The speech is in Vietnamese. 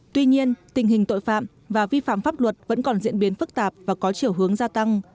tuy nhiên tình hình tội phạm và vi phạm pháp luật vẫn còn diễn biến phức tạp và có chiều hướng gia tăng